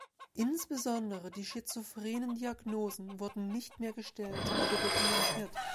Insbesondere die schizophrenen Diagnosen wurden nicht mehr gestellt oder dokumentiert.